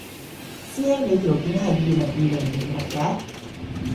師兄你條片係二零二零年錄嘅？